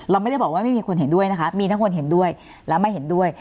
เราไม่ได้บอกว่าไม่มีคนเห็นด้วยนะคะมีทั้งคนเห็นด้วยและไม่เห็นด้วย